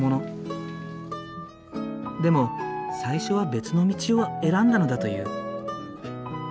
でも最初は別の道を選んだのだという。